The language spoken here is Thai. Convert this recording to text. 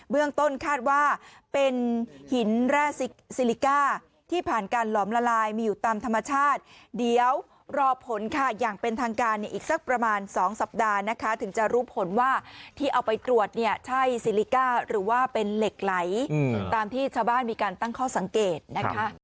เรื่องต้นคาดว่าเป็นหินแร่ซิลิก้าที่ผ่านการหลอมละลายมีอยู่ตามธรรมชาติเดี๋ยวรอผลค่ะอย่างเป็นทางการเนี่ยอีกสักประมาณ๒สัปดาห์นะคะถึงจะรู้ผลว่าที่เอาไปตรวจเนี่ยใช่ซิลิก้าหรือว่าเป็นเหล็กไหลตามที่ชาวบ้านมีการตั้งข้อสังเกตนะคะ